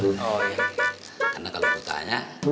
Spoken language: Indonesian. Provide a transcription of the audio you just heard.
karena kalau aku tanya